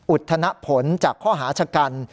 อุทธนผลจากข้อหาชะกัน